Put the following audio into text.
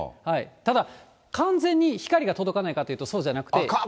ただ、完全に光が届かないかというとそうじゃなくて。